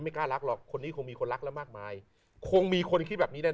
กล้ารักหรอกคนนี้คงมีคนรักแล้วมากมายคงมีคนคิดแบบนี้แน่